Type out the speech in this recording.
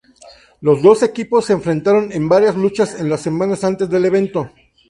Los dos equipos se enfrentaron, en varias luchas en las semanas antes del evento.